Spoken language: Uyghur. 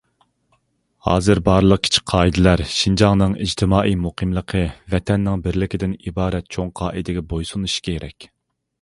ھازىر بارلىق كىچىك قائىدىلەر شىنجاڭنىڭ ئىجتىمائىي مۇقىملىقى، ۋەتەننىڭ بىرلىكىدىن ئىبارەت چوڭ قائىدىگە بويسۇنۇشى كېرەك.